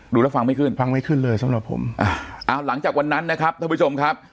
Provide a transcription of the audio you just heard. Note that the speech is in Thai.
ดูแล้วฟังไม่ขึ้นฟังไม่ขึ้นเลยสำหรับผมอ่าเอาหลังจากวันนั้นนะครับท่านผู้ชมครับ